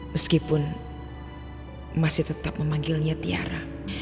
meskipun masih tetap memanggilnya tiara